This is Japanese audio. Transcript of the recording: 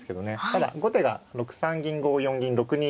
ただ後手が６三銀５四銀６二